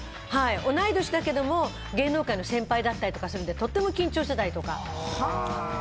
同い年だけど、芸能界の先輩だったりするから、とても緊張したりとか。